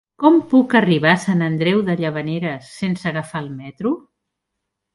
Com puc arribar a Sant Andreu de Llavaneres sense agafar el metro?